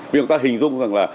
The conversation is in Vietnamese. vì người ta hình dung rằng là